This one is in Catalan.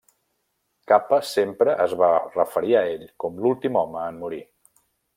Capa sempre es va referir a ell com l'últim home en morir.